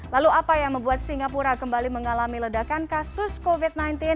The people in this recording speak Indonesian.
lalu apa yang membuat singapura kembali mengalami ledakan kasus covid sembilan belas